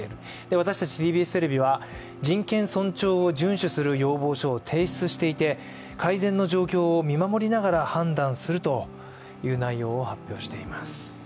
私たちＴＢＳテレビは人権尊重を遵守する要望書を提出していて、改善の状況を見守りながら判断するという内容を発表しています。